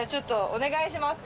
お願いします！